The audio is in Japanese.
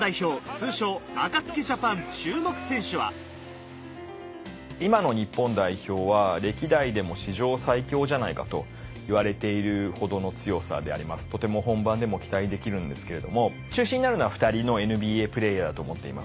通称「ＡＫＡＴＳＵＫＩＪＡＰＡＮ」注目選手は今の日本代表は歴代でも史上最強じゃないかといわれているほどの強さであります。とても本番でも期待できるんですけれども中心になるのは２人のＮＢＡプレーヤーだと思っています。